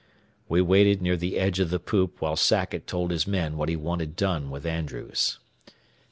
We waited near the edge of the poop while Sackett told his men what he wanted done with Andrews.